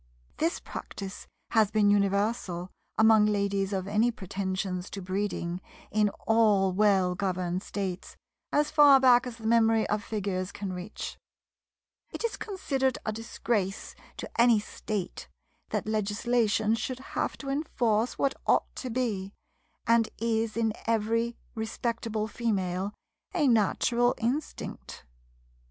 This practice has been universal among ladies of any pretensions to breeding in all well governed States, as far back as the memory of Figures can reach. It is considered a disgrace to any state that legislation should have to enforce what ought to be, and is in every respectable female, a natural instinct.